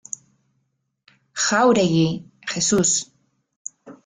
Jáuregui, Jesús.